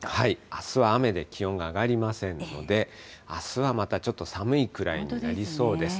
あすは雨で気温が上がりませんので、あすはまたちょっと寒いくらいとなりそうです。